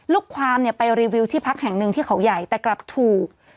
ลูกความเนี่ยไปรีวิวที่พักแห่งหนึ่งที่เขาใหญ่แต่กลับถูก